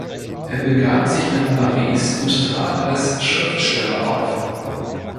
Er begab sich nach Paris und trat als Schriftsteller auf.